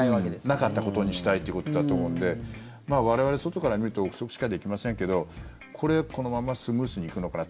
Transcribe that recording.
なかったことにしたいということだと思うので我々、外から見ると臆測しかできませんけどこれ、このままスムーズに行くのかな。